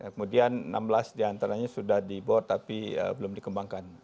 kemudian enam belas diantaranya sudah dibuat tapi belum dikembangkan